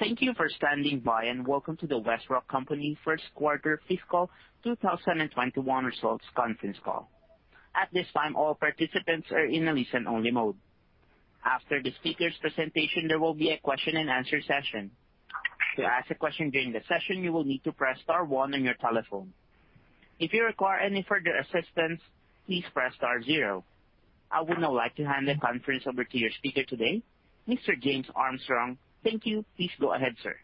Thank you for standing by, and welcome to the WestRock Company first quarter fiscal 2021 results conference call. At this time, all participants are in a listen-only mode. After the speakers' presentation, there will be a question-and-answer session. To ask a question during the session, you will need to press star one on your telephone. If you require any further assistance, please press star zero. I would now like to hand the conference over to your speaker today, Mr. James Armstrong. Thank you. Please go ahead, sir.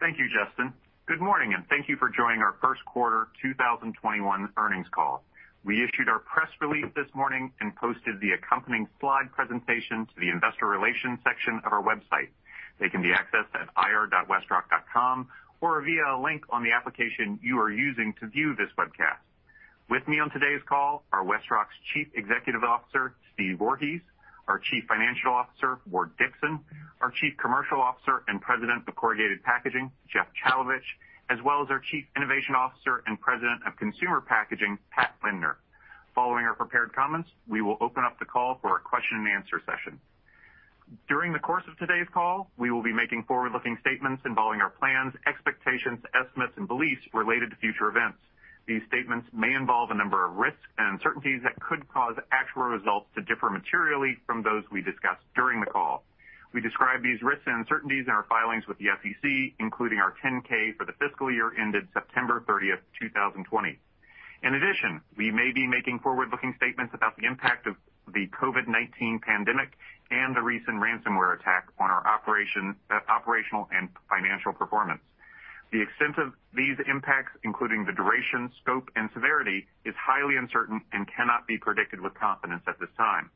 Thank you, Justin. Good morning, and thank you for joining our first quarter 2021 earnings call. We issued our press release this morning and posted the accompanying slide presentation to the Investor Relations section of our website. They can be accessed at ir.westrock.com or via a link on the application you are using to view this webcast. With me on today's call are WestRock's Chief Executive Officer, Steve Voorhees, our Chief Financial Officer, Ward Dickson, our Chief Commercial Officer and President of Corrugated Packaging, Jeff Chalovich, as well as our Chief Innovation Officer and President of Consumer Packaging, Pat Lindner. Following our prepared comments, we will open up the call for a question-and-answer session. During the course of today's call, we will be making forward-looking statements involving our plans, expectations, estimates, and beliefs related to future events. These statements may involve a number of risks and uncertainties that could cause actual results to differ materially from those we discuss during the call. We describe these risks and uncertainties in our filings with the SEC, including our 10-K for the fiscal year ended September 30th, 2020. In addition, we may be making forward-looking statements about the impact of the COVID-19 pandemic and the recent ransomware attack on our operational and financial performance. The extent of these impacts, including the duration, scope, and severity, is highly uncertain and cannot be predicted with confidence at this time.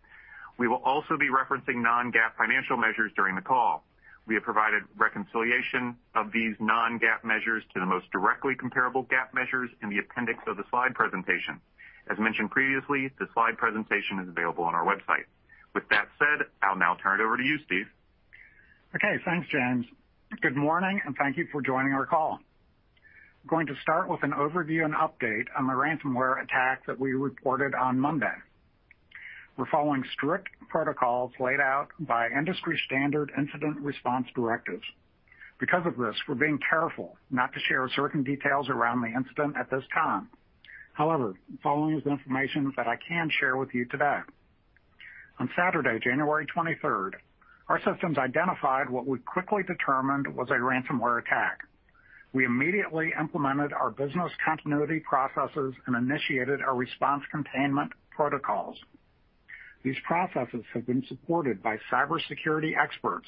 We will also be referencing non-GAAP financial measures during the call. We have provided reconciliation of these non-GAAP measures to the most directly comparable GAAP measures in the appendix of the slide presentation. As mentioned previously, the slide presentation is available on our website. With that said, I'll now turn it over to you, Steve. Okay. Thanks, James. Good morning, and thank you for joining our call. I'm going to start with an overview and update on the ransomware attack that we reported on Monday. We're following strict protocols laid out by industry-standard incident response directives. Because of this, we're being careful not to share certain details around the incident at this time. However, the following is the information that I can share with you today. On Saturday, January 23rd, our systems identified what we quickly determined was a ransomware attack. We immediately implemented our business continuity processes and initiated our response containment protocols. These processes have been supported by cybersecurity experts,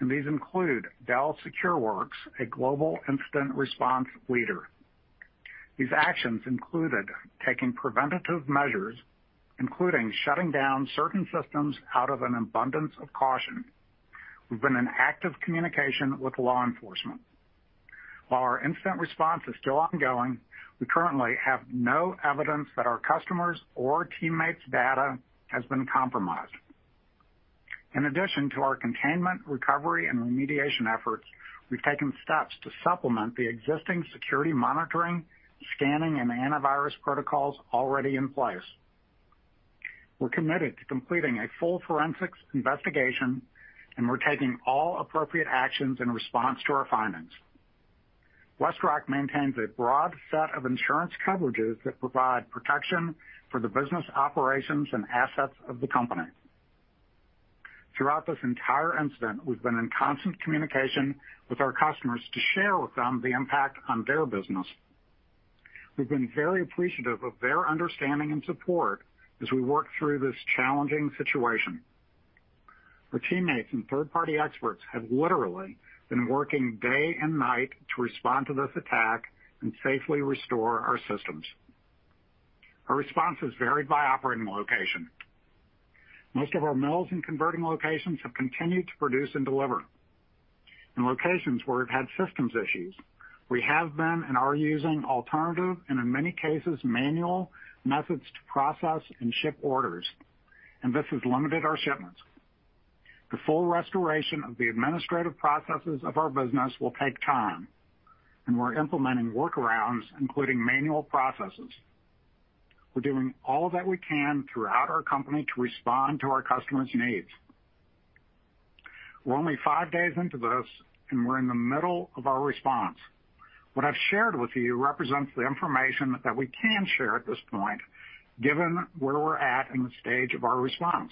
and these include Dell SecureWorks, a global incident response leader. These actions included taking preventative measures, including shutting down certain systems out of an abundance of caution. We've been in active communication with law enforcement. While our incident response is still ongoing, we currently have no evidence that our customers' or teammates' data has been compromised. In addition to our containment, recovery, and remediation efforts, we've taken steps to supplement the existing security monitoring, scanning, and antivirus protocols already in place. We're committed to completing a full forensics investigation, and we're taking all appropriate actions in response to our findings. WestRock maintains a broad set of insurance coverages that provide protection for the business operations and assets of the company. Throughout this entire incident, we've been in constant communication with our customers to share with them the impact on their business. We've been very appreciative of their understanding and support as we work through this challenging situation. Our teammates and third-party experts have literally been working day and night to respond to this attack and safely restore our systems. Our responses varied by operating location. Most of our mills and converting locations have continued to produce and deliver. In locations where we've had systems issues, we have been and are using alternative, and in many cases, manual methods to process and ship orders, and this has limited our shipments. The full restoration of the administrative processes of our business will take time, and we're implementing workarounds, including manual processes. We're doing all that we can throughout our company to respond to our customers' needs. We're only five days into this, and we're in the middle of our response. What I've shared with you represents the information that we can share at this point, given where we're at in the stage of our response.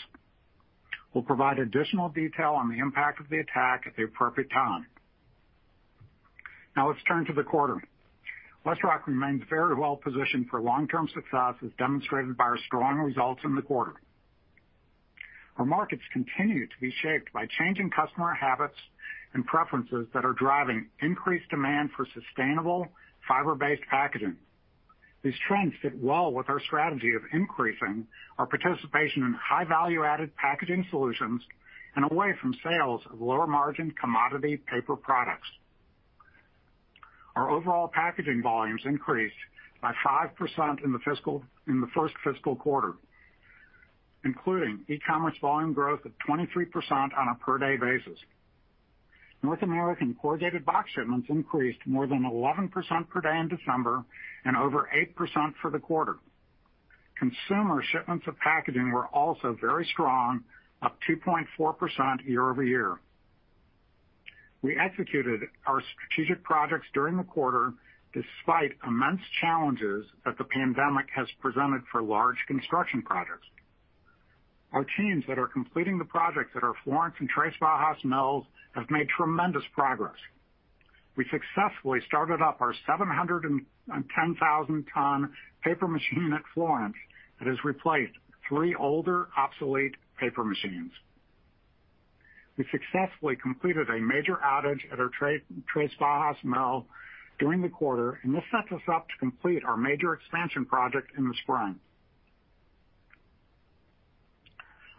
We'll provide additional detail on the impact of the attack at the appropriate time. Now let's turn to the quarter. WestRock remains very well positioned for long-term success, as demonstrated by our strong results in the quarter. Our markets continue to be shaped by changing customer habits and preferences that are driving increased demand for sustainable fiber-based packaging. These trends fit well with our strategy of increasing our participation in high value-added packaging solutions and away from sales of lower-margin commodity paper products. Our overall packaging volumes increased by 5% in the first fiscal quarter, including e-commerce volume growth of 23% on a per-day basis. North American corrugated box shipments increased more than 11% per day in December and over 8% for the quarter. Consumer shipments of packaging were also very strong, up 2.4% year-over-year. We executed our strategic projects during the quarter, despite immense challenges that the pandemic has presented for large construction projects. Our teams that are completing the projects at our Florence and Três Barras mills have made tremendous progress. We successfully started up our 710,000-ton paper machine at Florence that has replaced three older obsolete paper machines. We successfully completed a major outage at our Três Barras mill during the quarter, this sets us up to complete our major expansion project in the spring.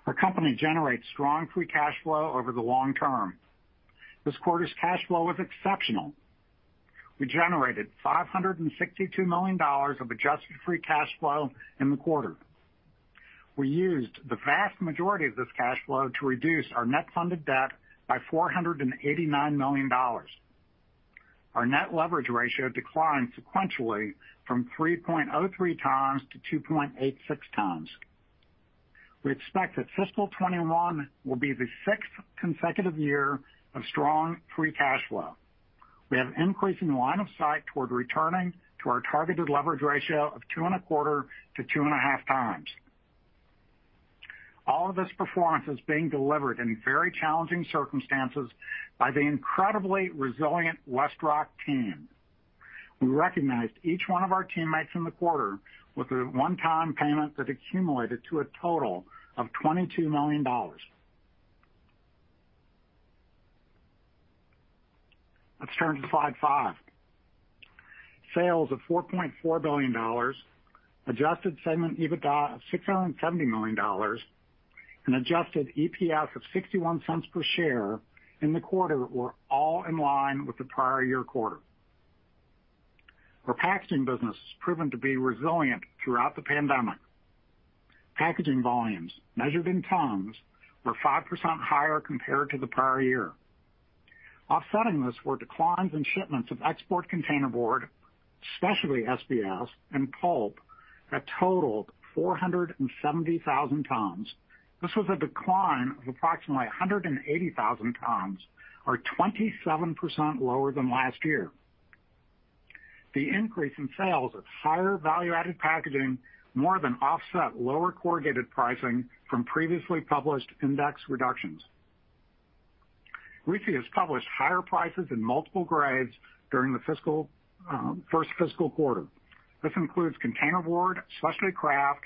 Our company generates strong free cash flow over the long term. This quarter's cash flow was exceptional. We generated $562 million of adjusted free cash flow in the quarter. We used the vast majority of this cash flow to reduce our net funded debt by $489 million. Our net leverage ratio declined sequentially from 3.03x to 2.86x. We expect that fiscal 2021 will be the sixth consecutive year of strong free cash flow. We have increasing line of sight toward returning to our targeted leverage ratio of 2.25x to 2.5x. All of this performance is being delivered in very challenging circumstances by the incredibly resilient WestRock team. We recognized each one of our teammates in the quarter with a one-time payment that accumulated to a total of $22 million. Let's turn to slide five. Sales of $4.4 billion, adjusted segment EBITDA of $670 million, and adjusted EPS of $0.61 per share in the quarter were all in line with the prior year quarter. Our packaging business has proven to be resilient throughout the pandemic. Packaging volumes measured in tons were 5% higher compared to the prior year. Offsetting this were declines in shipments of export container board, specialty SBS, and pulp that totaled 470,000 tons. This was a decline of approximately 180,000 tons, or 27% lower than last year. The increase in sales of higher value-added packaging more than offset lower corrugated pricing from previously published index reductions. RISI has published higher prices in multiple grades during the first fiscal quarter. This includes container board, specialty kraft,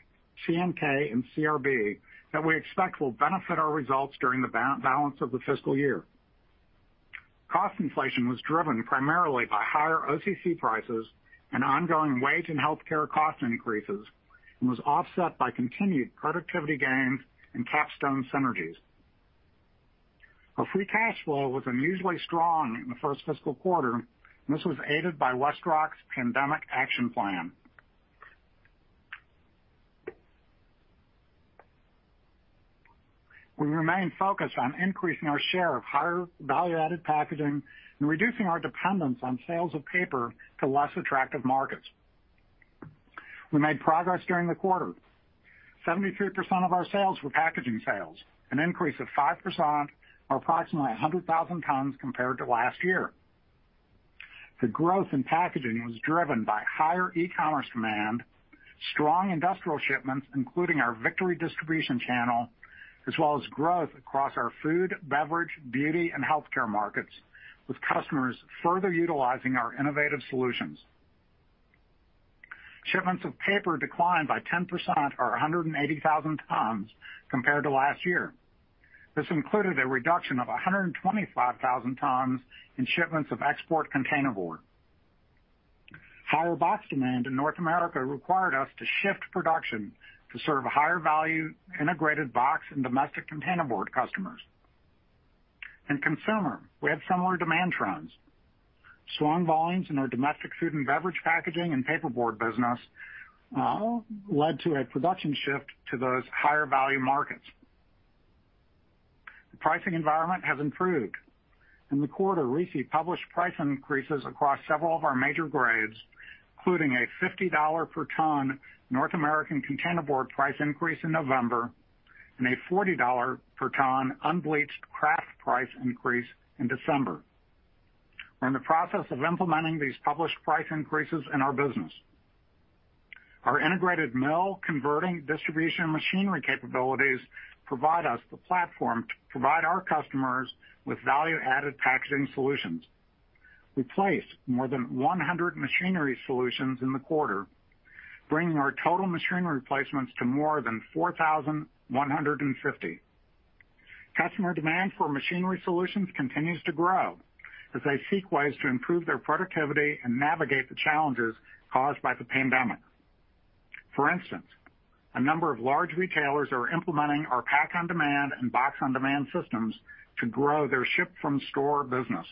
CNK, and CRB, that we expect will benefit our results during the balance of the fiscal year. Cost inflation was driven primarily by higher OCC prices and ongoing wage and healthcare cost increases and was offset by continued productivity gains and KapStone synergies. Our free cash flow was unusually strong in the first fiscal quarter, and this was aided by WestRock's Pandemic Action Plan. We remain focused on increasing our share of higher value-added packaging and reducing our dependence on sales of paper to less attractive markets. We made progress during the quarter. 73% of our sales were packaging sales, an increase of 5%, or approximately 100,000 tons compared to last year. The growth in packaging was driven by higher e-commerce demand, strong industrial shipments, including our Victory distribution channel, as well as growth across our food, beverage, beauty, and healthcare markets, with customers further utilizing our innovative solutions. Shipments of paper declined by 10%, or 180,000 tons compared to last year. This included a reduction of 125,000 tons in shipments of export container board. Higher box demand in North America required us to shift production to serve higher-value integrated box and domestic container board customers. In consumer, we had similar demand trends. Strong volumes in our domestic food and beverage packaging and paper board business led to a production shift to those higher-value markets. The pricing environment has improved. In the quarter, RISI published price increases across several of our major grades, including a $50 per ton North American containerboard price increase in November, and a $40 per ton unbleached kraft price increase in December. We're in the process of implementing these published price increases in our business. Our integrated mill converting distribution machinery capabilities provide us the platform to provide our customers with value-added packaging solutions. We placed more than 100 machinery solutions in the quarter, bringing our total machinery replacements to more than 4,150. Customer demand for machinery solutions continues to grow as they seek ways to improve their productivity and navigate the challenges caused by the pandemic. For instance, a number of large retailers are implementing our Pak On Demand and Box On Demand systems to grow their ship-from-store business.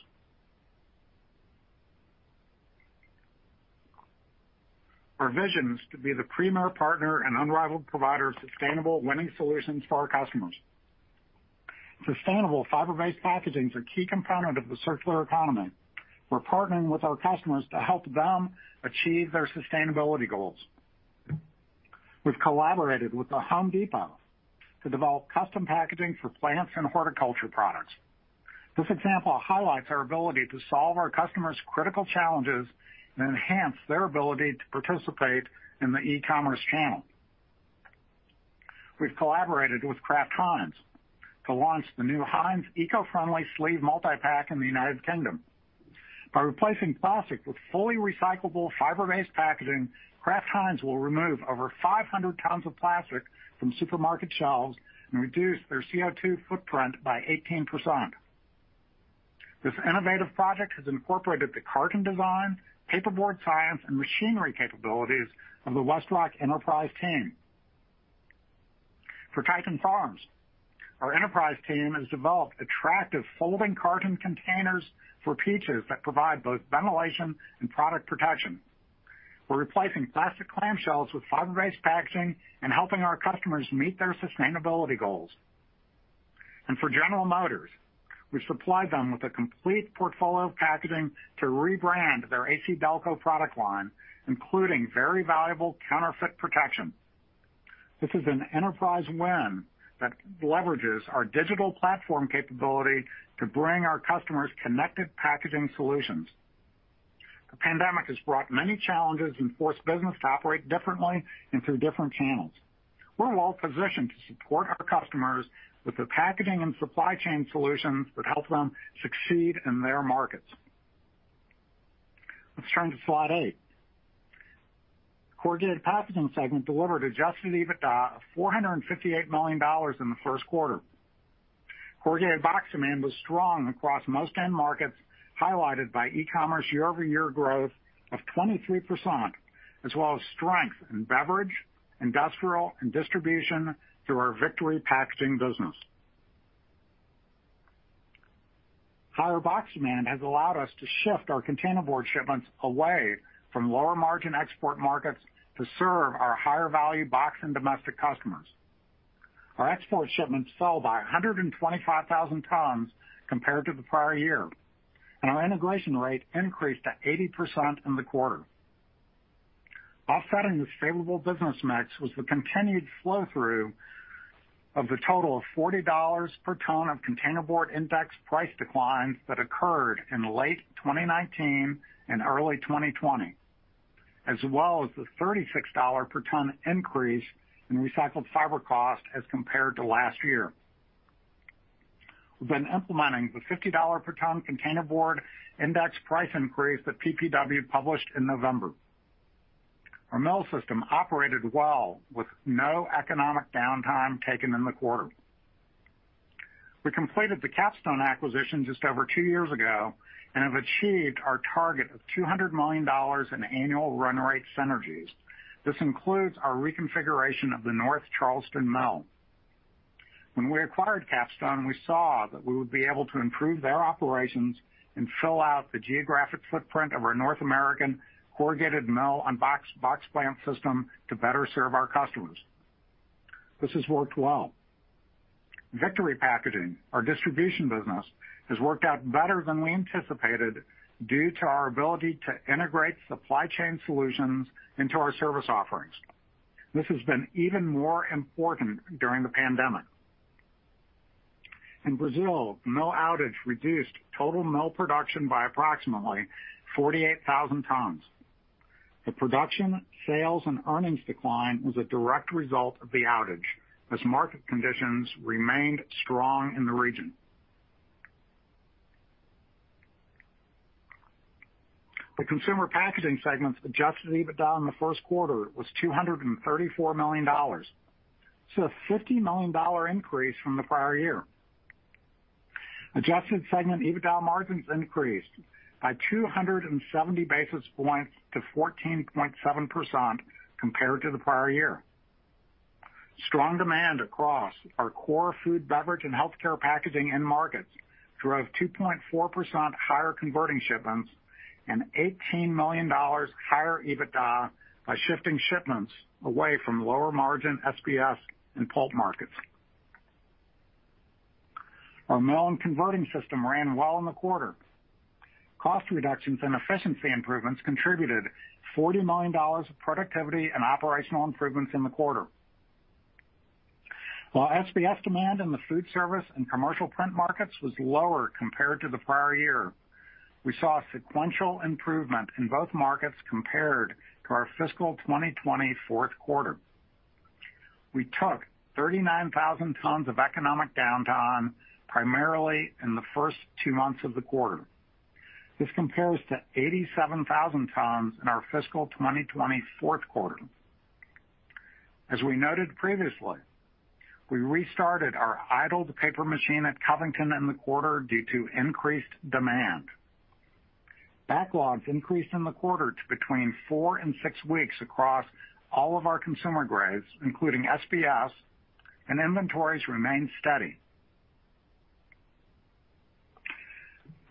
Our vision is to be the premier partner and unrivaled provider of sustainable winning solutions for our customers. Sustainable fiber-based packagings are key component of the circular economy. We're partnering with our customers to help them achieve their sustainability goals. We've collaborated with The Home Depot to develop custom packaging for plants and horticulture products. This example highlights our ability to solve our customers' critical challenges and enhance their ability to participate in the e-commerce channel. We've collaborated with Kraft Heinz to launch the new Heinz eco-friendly sleeve multi-pack in the United Kingdom. By replacing plastic with fully recyclable fiber-based packaging, Kraft Heinz will remove over 500 tons of plastic from supermarket shelves and reduce their CO2 footprint by 18%. This innovative project has incorporated the carton design, paperboard science, and machinery capabilities of the WestRock enterprise team. For Titan Farms, our enterprise team has developed attractive folding carton containers for peaches that provide both ventilation and product protection. We're replacing plastic clam shells with fiber-based packaging and helping our customers meet their sustainability goals. For General Motors, we supplied them with a complete portfolio of packaging to rebrand their ACDelco product line, including very valuable counterfeit protection. This is an enterprise win that leverages our digital platform capability to bring our customers connected packaging solutions. The pandemic has brought many challenges and forced business to operate differently and through different channels. We're well-positioned to support our customers with the packaging and supply chain solutions that help them succeed in their markets. Let's turn to slide eight. Corrugated Packaging Segment delivered adjusted EBITDA of $458 million in the first quarter. Corrugated box demand was strong across most end markets, highlighted by e-commerce year-over-year growth of 23%, as well as strength in beverage, industrial, and distribution through our Victory Packaging business. Higher box demand has allowed us to shift our container board shipments away from lower margin export markets to serve our higher value box and domestic customers. Our export shipments fell by 125,000 tons compared to the prior year, and our integration rate increased to 80% in the quarter. Offsetting this favorable business mix was the continued flow-through of the total of $40 per ton of container board index price declines that occurred in late 2019 and early 2020, as well as the $36 per ton increase in recycled fiber cost as compared to last year. We've been implementing the $50 per ton container board index price increase that PPW published in November. Our mill system operated well with no economic downtime taken in the quarter. We completed the KapStone acquisition just over two years ago and have achieved our target of $200 million in annual run rate synergies. This includes our reconfiguration of the North Charleston mill. When we acquired KapStone, we saw that we would be able to improve their operations and fill out the geographic footprint of our North American corrugated mill and box plant system to better serve our customers. This has worked well. Victory Packaging, our distribution business, has worked out better than we anticipated due to our ability to integrate supply chain solutions into our service offerings. This has been even more important during the pandemic. In Brazil, mill outage reduced total mill production by approximately 48,000 tons. The production, sales, and earnings decline was a direct result of the outage, as market conditions remained strong in the region. The Consumer Packaging segment's adjusted EBITDA in the first quarter was $234 million. This is a $50 million increase from the prior year. Adjusted segment EBITDA margins increased by 270 basis points to 14.7% compared to the prior year. Strong demand across our core food, beverage, and healthcare packaging end markets drove 2.4% higher converting shipments and $18 million higher EBITDA by shifting shipments away from lower margin SBS and pulp markets. Our mill and converting system ran well in the quarter. Cost reductions and efficiency improvements contributed $40 million of productivity and operational improvements in the quarter. While SBS demand in the food service and commercial print markets was lower compared to the prior year, we saw a sequential improvement in both markets compared to our fiscal 2020 fourth quarter. We took 39,000 tons of economic downtime, primarily in the first two months of the quarter. This compares to 87,000 tons in our fiscal 2020 fourth quarter. As we noted previously, we restarted our idled paper machine at Covington in the quarter due to increased demand. Backlogs increased in the quarter to between four and six weeks across all of our consumer grades, including SBS, and inventories remained steady. We're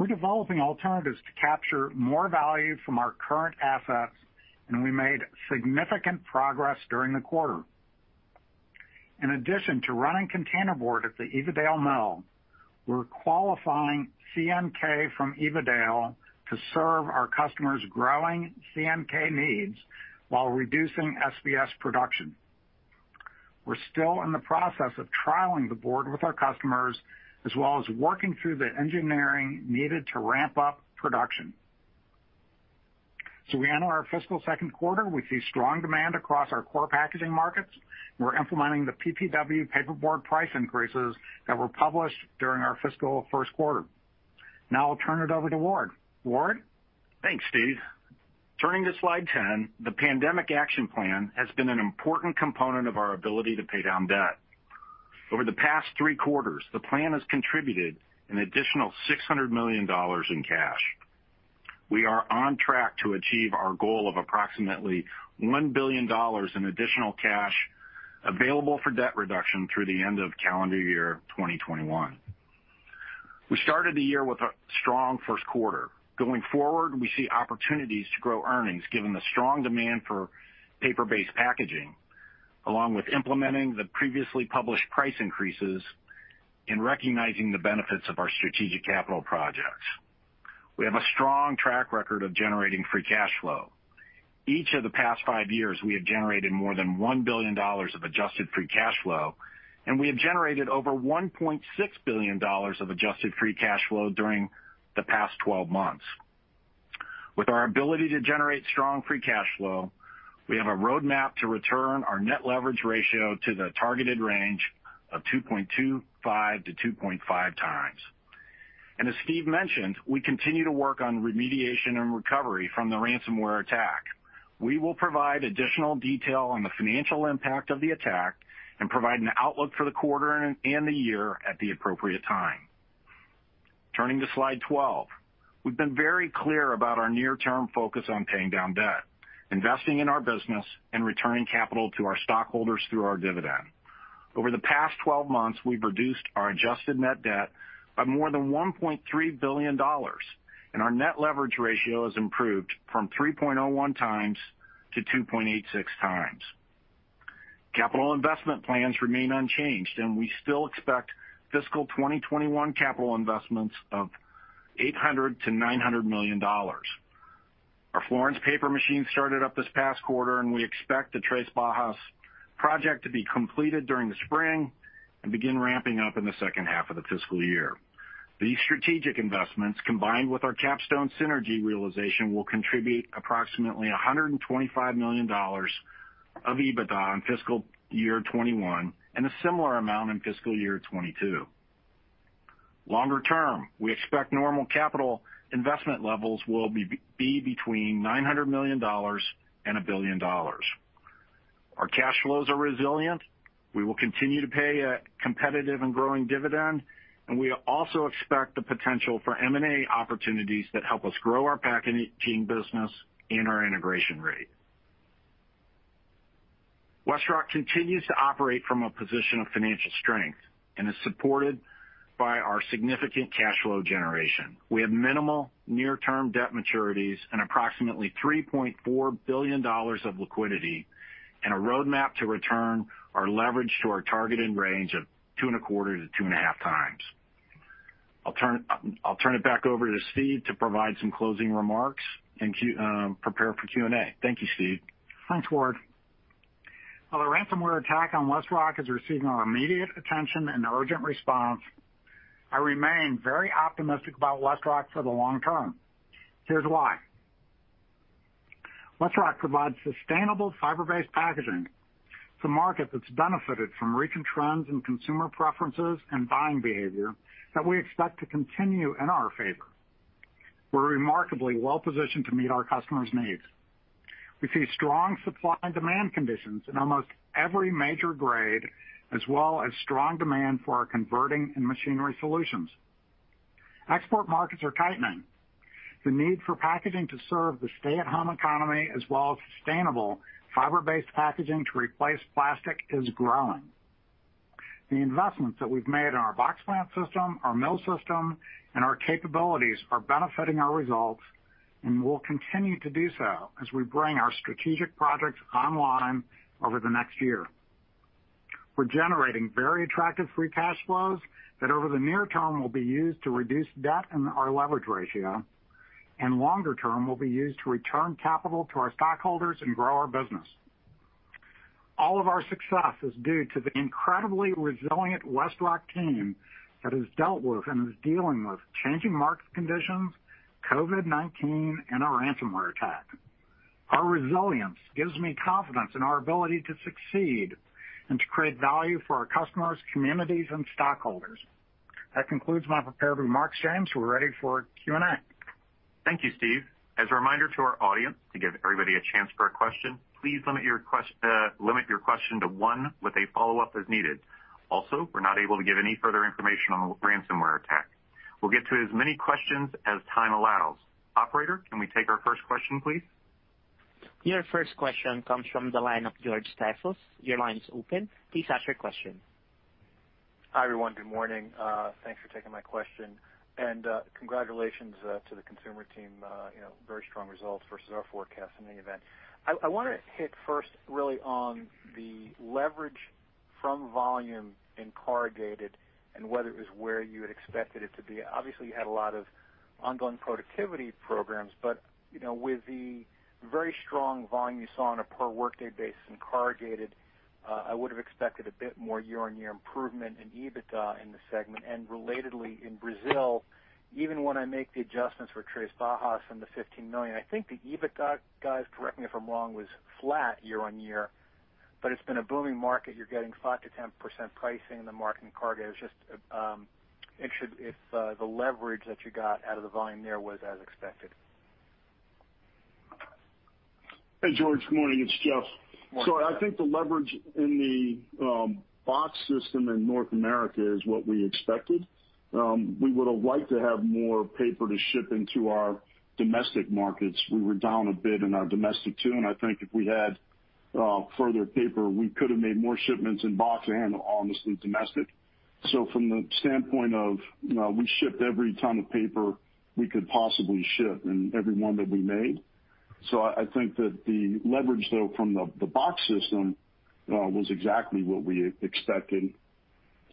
developing alternatives to capture more value from our current assets, and we made significant progress during the quarter. In addition to running container board at the Evadale mill, we're qualifying CNK from Evadale to serve our customers' growing CNK needs while reducing SBS production. We're still in the process of trialing the board with our customers, as well as working through the engineering needed to ramp up production. We enter our fiscal second quarter, we see strong demand across our core packaging markets, and we're implementing the PPW paperboard price increases that were published during our fiscal first quarter. Now I'll turn it over to Ward. Ward? Thanks, Steve. Turning to slide 10, the pandemic action plan has been an important component of our ability to pay down debt. Over the past three quarters, the plan has contributed an additional $600 million in cash. We are on track to achieve our goal of approximately $1 billion in additional cash available for debt reduction through the end of calendar year 2021. We started the year with a strong first quarter. Going forward, we see opportunities to grow earnings given the strong demand for paper-based packaging, along with implementing the previously published price increases and recognizing the benefits of our strategic capital projects. We have a strong track record of generating free cash flow. Each of the past five years, we have generated more than $1 billion of adjusted free cash flow, and we have generated over $1.6 billion of adjusted free cash flow during the past 12 months. With our ability to generate strong free cash flow, we have a roadmap to return our net leverage ratio to the targeted range of 2.25x to 2.5x. As Steve mentioned, we continue to work on remediation and recovery from the ransomware attack. We will provide additional detail on the financial impact of the attack and provide an outlook for the quarter and the year at the appropriate time. Turning to slide 12. We've been very clear about our near-term focus on paying down debt, investing in our business, and returning capital to our stockholders through our dividend. Over the past 12 months, we've reduced our adjusted net debt by more than $1.3 billion, and our net leverage ratio has improved from 3.01x to 2.86x. Capital investment plans remain unchanged. We still expect fiscal 2021 capital investments of $800 million-$900 million. Our Florence paper machine started up this past quarter. We expect the Três Barras project to be completed during the spring and begin ramping up in the second half of the fiscal year. These strategic investments, combined with our KapStone synergy realization, will contribute approximately $125 million of EBITDA in fiscal year 2021 and a similar amount in fiscal year 2022. Longer term, we expect normal capital investment levels will be between $900 million and $1 billion. Our cash flows are resilient. We will continue to pay a competitive and growing dividend. We also expect the potential for M&A opportunities that help us grow our packaging business and our integration rate. WestRock continues to operate from a position of financial strength and is supported by our significant cash flow generation. We have minimal near-term debt maturities and approximately $3.4 billion of liquidity and a roadmap to return our leverage to our targeted range of 2.25x to 2.5x. I'll turn it back over to Steve to provide some closing remarks and prepare for Q&A. Thank you, Steve. Thanks, Ward. While the ransomware attack on WestRock is receiving our immediate attention and urgent response, I remain very optimistic about WestRock for the long term. Here's why. WestRock provides sustainable fiber-based packaging. It's a market that's benefited from recent trends in consumer preferences and buying behavior that we expect to continue in our favor. We're remarkably well-positioned to meet our customers' needs. We see strong supply and demand conditions in almost every major grade, as well as strong demand for our converting and machinery solutions. Export markets are tightening. The need for packaging to serve the stay-at-home economy as well as sustainable fiber-based packaging to replace plastic is growing. The investments that we've made in our box plant system, our mill system, and our capabilities are benefiting our results and will continue to do so as we bring our strategic projects online over the next year. We're generating very attractive free cash flows that over the near term will be used to reduce debt and our leverage ratio, and longer term will be used to return capital to our stockholders and grow our business. All of our success is due to the incredibly resilient WestRock team that has dealt with and is dealing with changing market conditions, COVID-19, and a ransomware attack. Our resilience gives me confidence in our ability to succeed and to create value for our customers, communities, and stockholders. That concludes my prepared remarks, James. We're ready for Q&A. Thank you, Steve. As a reminder to our audience, to give everybody a chance for a question, please limit your question to one with a follow-up as needed. We're not able to give any further information on the ransomware attack. We'll get to as many questions as time allows. Operator, can we take our first question, please? Your first question comes from the line of George Staphos. Your line is open. Please ask your question. Hi, everyone. Good morning. Thanks for taking my question, and congratulations to the consumer team. Very strong results versus our forecast in any event. I want to hit first really on the leverage from volume in corrugated and whether it was where you had expected it to be. Obviously, you had a lot of ongoing productivity programs, but with the very strong volume you saw on a per work day basis in corrugated, I would've expected a bit more year-on-year improvement in EBITDA in the segment, and relatedly in Brazil, even when I make the adjustments for Três Barras from the $15 million, I think the EBITDA, guys, correct me if I'm wrong, was flat year-on-year, but it's been a booming market. You're getting 5%-10% pricing in the market in corrugate. I was just interested if the leverage that you got out of the volume there was as expected. Hey, George. Good morning. It's Jeff. Morning. I think the leverage in the box system in North America is what we expected. We would have liked to have more paper to ship into our domestic markets. We were down a bit in our domestic, too, and I think if we had further paper, we could have made more shipments in box and honestly, domestic. From the standpoint of we shipped every ton of paper we could possibly ship and every one that we made. I think that the leverage, though, from the box system was exactly what we expected.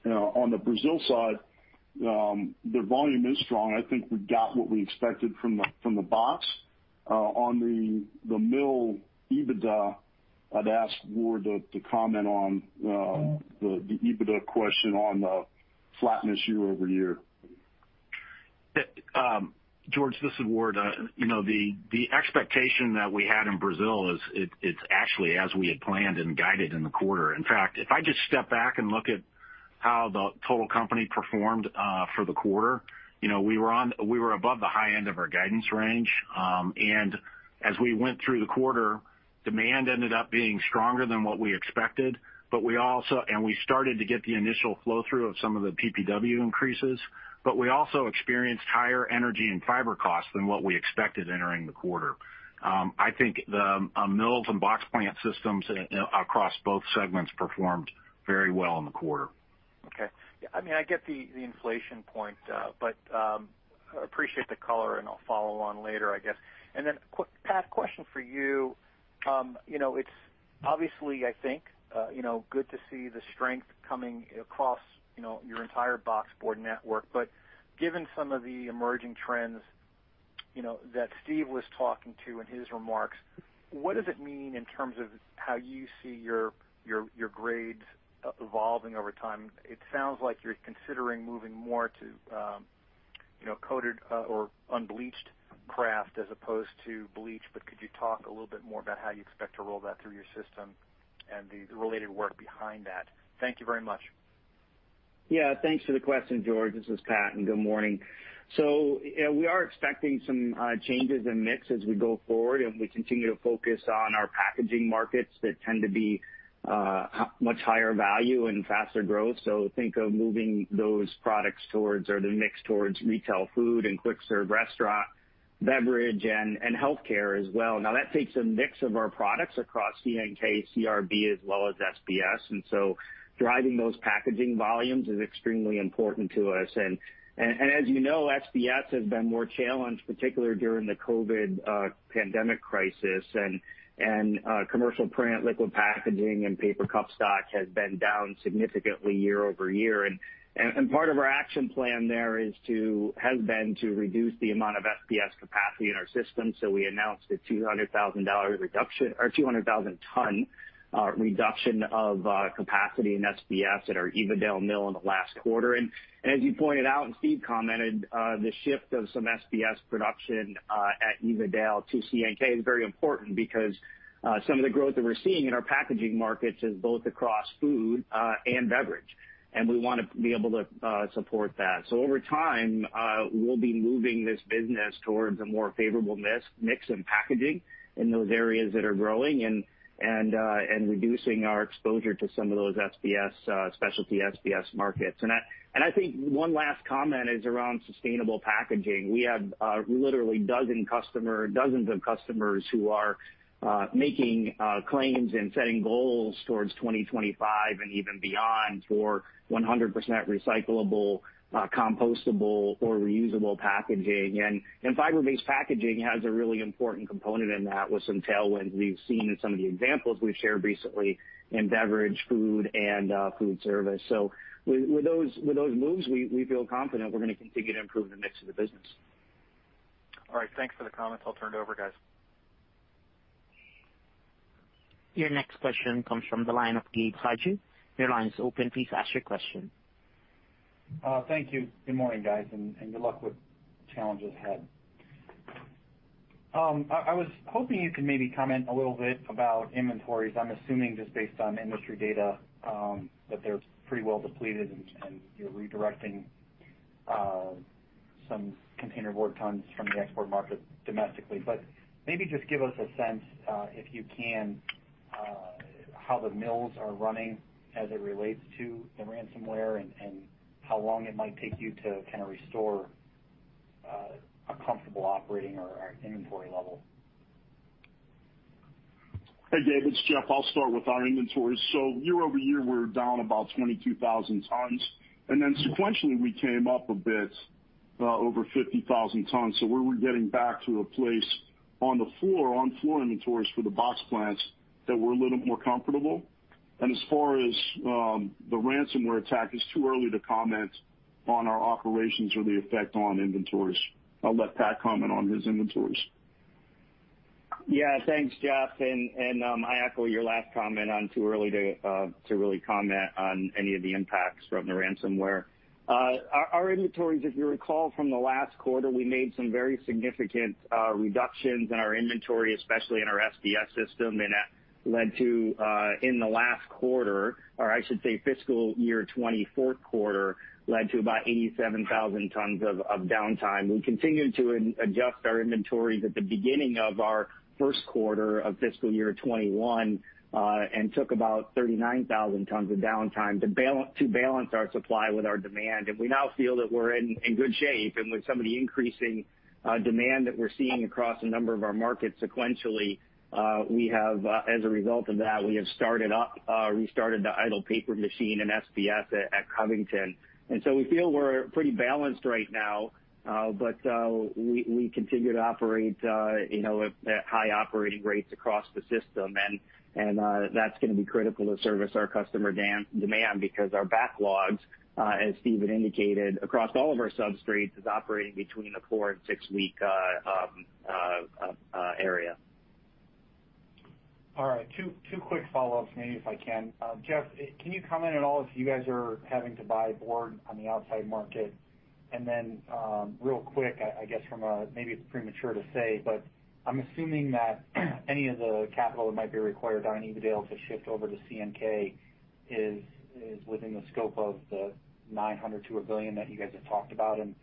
On the Brazil side, their volume is strong. I think we got what we expected from the box. On the mill EBITDA, I'd ask Ward to comment on the EBITDA question on the flatness year-over-year. George, this is Ward. The expectation that we had in Brazil it's actually as we had planned and guided in the quarter. In fact, if I just step back and look at how the total company performed for the quarter, we were above the high end of our guidance range. As we went through the quarter, demand ended up being stronger than what we expected, and we started to get the initial flow-through of some of the PPW increases, but we also experienced higher energy and fiber costs than what we expected entering the quarter. I think the mills and box plant systems across both segments performed very well in the quarter. Okay. I get the inflation point, but appreciate the color and I'll follow on later, I guess. Quick Pat question for you. It's obviously, I think, good to see the strength coming across your entire boxboard network, but given some of the emerging trends that Steve was talking to in his remarks, what does it mean in terms of how you see your grades evolving over time? It sounds like you're considering moving more to coated or unbleached kraft as opposed to bleached, but could you talk a little bit more about how you expect to roll that through your system and the related work behind that? Thank you very much. Yeah. Thanks for the question, George. This is Pat, and good morning. Yeah, we are expecting some changes in mix as we go forward, and we continue to focus on our packaging markets that tend to be much higher value and faster growth. Think of moving those products towards, or the mix towards retail food, and quick serve restaurant, beverage, and healthcare as well. Now that takes a mix of our products across CNK, CRB, as well as SBS, driving those packaging volumes is extremely important to us. As you know, SBS has been more challenged, particularly during the COVID-19 pandemic crisis, and commercial print liquid packaging and paper cup stock has been down significantly year-over-year. Part of our action plan there has been to reduce the amount of SBS capacity in our system. We announced a $200,000 reduction, or 200,000 ton reduction of capacity in SBS at our Evadale mill in the last quarter. As you pointed out and Steve commented, the shift of some SBS production at Evadale to CNK is very important because some of the growth that we're seeing in our packaging markets is both across food and beverage, and we want to be able to support that. Over time, we'll be moving this business towards a more favorable mix in packaging in those areas that are growing and reducing our exposure to some of those specialty SBS markets. I think one last comment is around sustainable packaging. We have literally dozens of customers who are making claims and setting goals towards 2025 and even beyond for 100% recyclable, compostable, or reusable packaging. Fiber-based packaging has a really important component in that with some tailwinds we've seen in some of the examples we've shared recently in beverage, food, and food service. With those moves, we feel confident we're going to continue to improve the mix of the business. All right. Thanks for the comments. I'll turn it over, guys. Your next question comes from the line of Gabe Hajde. Your line is open. Please ask your question. Thank you. Good morning, guys, and good luck with the challenges ahead. I was hoping you could maybe comment a little bit about inventories. I'm assuming just based on industry data, that they're pretty well depleted, and you're redirecting some container board tons from the export market domestically. Maybe just give us a sense, if you can, how the mills are running as it relates to the ransomware and how long it might take you to kind of restore a comfortable operating or inventory level. Hey Gabe, it's Jeff. I'll start with our inventories. Year over year, we're down about 22,000 tons. Sequentially, we came up a bit, over 50,000 tons. We're getting back to a place on floor inventories for the box plants that we're a little more comfortable. As far as the ransomware attack, it's too early to comment on our operations or the effect on inventories. I'll let Pat comment on his inventories. Thanks, Jeff, and I echo your last comment on too early to really comment on any of the impacts from the ransomware. Our inventories, if you recall from the last quarter, we made some very significant reductions in our inventory, especially in our SBS system, and that led to, in the last quarter, or I should say fiscal year 2020 fourth quarter, led to about 87,000 tons of downtime. We continued to adjust our inventories at the beginning of our first quarter of fiscal year 2021, and took about 39,000 tons of downtime to balance our supply with our demand. We now feel that we're in good shape. With some of the increasing demand that we're seeing across a number of our markets sequentially, as a result of that, we have restarted the idle paper machine and SBS at Covington. We feel we're pretty balanced right now. We continue to operate at high operating rates across the system. That's going to be critical to service our customer demand because our backlogs, as Steve indicated, across all of our substrates, is operating between the four and six-week area. All right. Two quick follow-ups, maybe, if I can. Jeff, can you comment at all if you guys are having to buy board on the outside market? Real quick, I guess maybe it's premature to say, but I'm assuming that any of the capital that might be required on Evadale to shift over to CNK is within the scope of the $900 million-$1 billion that you guys have talked about, and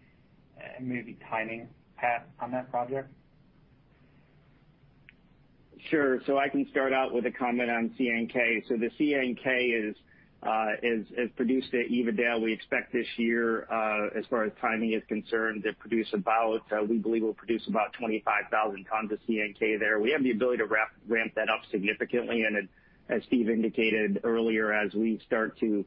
maybe timing, Pat, on that project? Sure. I can start out with a comment on CNK. The CNK is produced at Evadale. We expect this year, as far as timing is concerned, we believe we'll produce about 25,000 tons of CNK there. We have the ability to ramp that up significantly, and as Steve indicated earlier, as we start to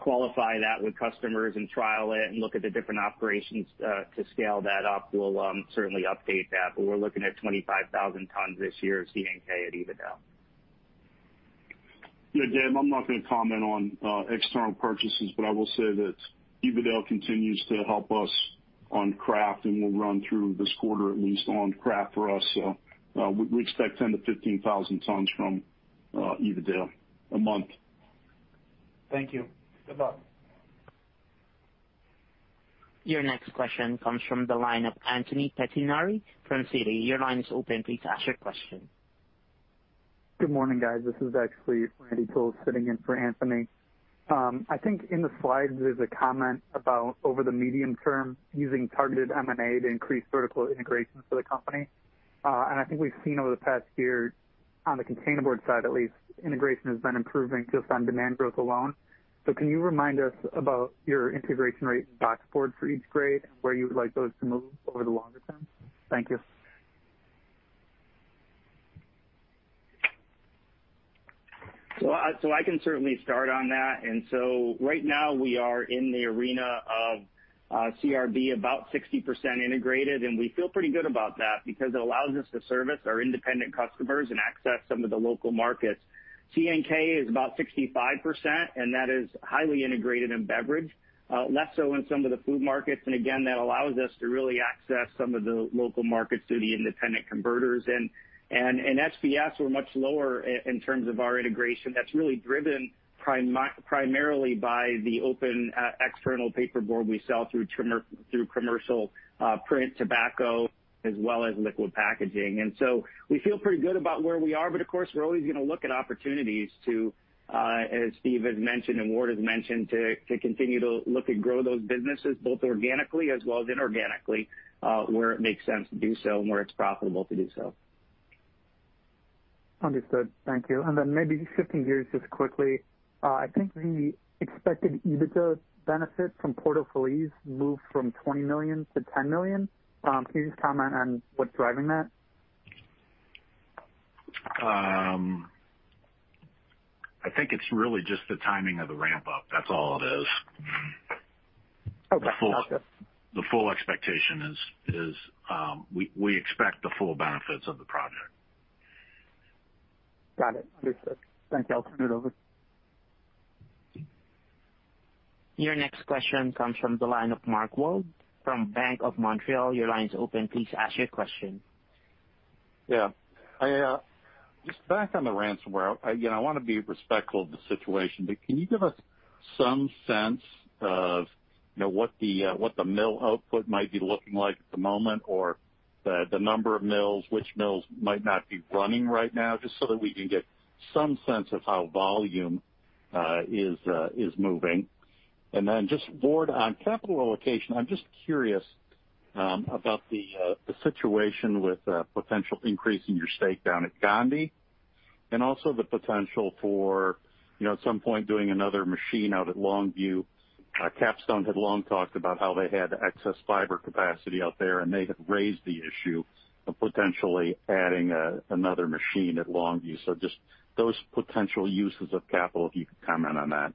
qualify that with customers and trial it and look at the different operations to scale that up, we'll certainly update that. We're looking at 25,000 tons this year of CNK at Evadale. Yeah, Gabe, I'm not going to comment on external purchases. I will say that Evadale continues to help us on kraft, and will run through this quarter at least on kraft for us. We expect 10,000-15,000 tons from Evadale a month. Thank you. Good luck. Your next question comes from the line of Anthony Pettinari from Citi. Your line is open. Please ask your question. Good morning, guys. This is actually Randy Toth sitting in for Anthony. I think in the slides there's a comment about over the medium term using targeted M&A to increase vertical integrations for the company. I think we've seen over the past year on the container board side at least, integration has been improving just on demand growth alone. Can you remind us about your integration rate in boxboard for each grade, and where you would like those to move over the longer term? Thank you. I can certainly start on that. Right now we are in the arena of CRB about 60% integrated, and we feel pretty good about that because it allows us to service our independent customers and access some of the local markets. CNK is about 65%, and that is highly integrated in beverage. Less so in some of the food markets, and again, that allows us to really access some of the local markets through the independent converters. In SBS, we're much lower in terms of our integration. That's really driven primarily by the open external paperboard we sell through commercial print tobacco as well as liquid packaging. We feel pretty good about where we are. Of course, we're always going to look at opportunities to, as Steve has mentioned and Ward has mentioned, to continue to look to grow those businesses both organically as well as inorganically, where it makes sense to do so and where it's profitable to do so. Understood. Thank you. Maybe shifting gears just quickly. I think the expected EBITDA benefit from Porto Feliz moved from $20 million to $10 million. Can you just comment on what's driving that? I think it's really just the timing of the ramp-up. That's all it is. Okay. Gotcha. The full expectation is we expect the full benefits of the project. Got it. Understood. Thank you. I'll turn it over. Your next question comes from the line of Mark Wilde from Bank of Montreal. Your line is open. Please ask your question. Yeah. Just back on the ransomware. Again, I want to be respectful of the situation, but can you give us some sense of what the mill output might be looking like at the moment, or the number of mills, which mills might not be running right now, just so that we can get some sense of how volume is moving? Just Ward, on capital allocation, I'm just curious about the situation with a potential increase in your stake down at Gondi. Also the potential for, at some point, doing another machine out at Longview. KapStone had long talked about how they had excess fiber capacity out there, and they have raised the issue of potentially adding another machine at Longview. Just those potential uses of capital, if you could comment on that.